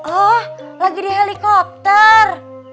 oh lagi di helikopter